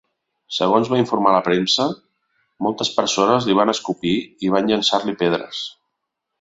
Segons va informar la premsa, moltes persones li van escopir i van llançar-li pedres.